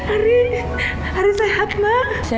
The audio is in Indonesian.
ari ari sehat kan disana